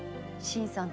新さん。